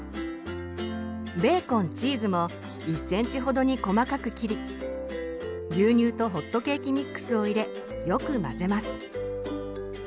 ベーコンチーズも１ｃｍほどに細かく切り牛乳とホットケーキミックスを入れよく混ぜます。